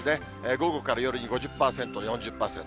午後から夜に５０％、４０％。